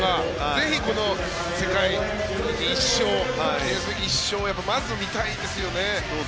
ぜひこの世界で１勝記念すべき１勝をまず見たいですよね。